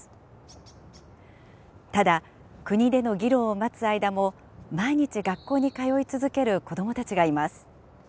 ただ国での議論を待つ間も毎日学校に通い続ける子どもたちがいます。